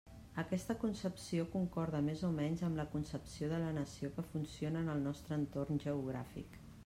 Aquesta concepció concorda més o menys amb la concepció de la nació que funciona en el nostre entorn geogràfic.